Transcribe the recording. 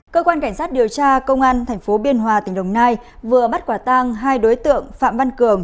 cơ quan cảnh sát điều tra công an tp biên hòa tỉnh đồng nai vừa bắt quả tang hai đối tượng phạm văn cường